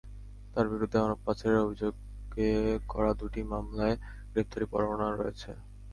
তাঁর বিরুদ্ধে মানব পাচারের অভিযোগে করা দুটি মামলায় গ্রেপ্তারি পরোয়ানা রয়েছে।